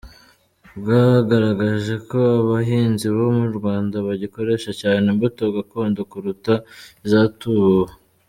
Bwagaragaje ko abahinzi bo mu Rwanda bagikoresha cyane imbuto gakondo kuruta izatubuwe.